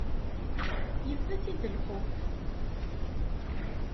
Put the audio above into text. Yebda-t-id lxuf.